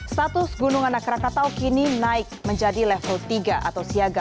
status gunung anak rakatau kini naik menjadi level tiga atau siaga